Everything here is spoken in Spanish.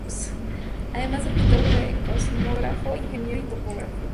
Además de pintor, fue cosmógrafo, ingeniero y topógrafo.